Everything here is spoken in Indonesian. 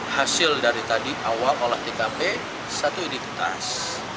hasil dari tadi awal olah tkp satu ini di kitas